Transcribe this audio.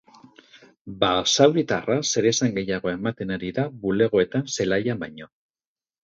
Basauritarra zeresan gehiago ematen ari da bulegoetan zelaian baino.